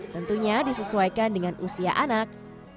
tentunya disesuaikan dengan usia anak